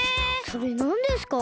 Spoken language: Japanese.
それなんですか？